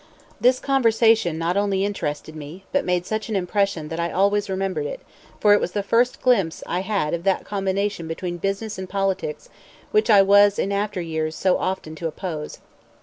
This conversation not only interested me, but made such an impression that I always remembered it, for it was the first glimpse I had of that combination between business and politics which I was in after years so often to oppose.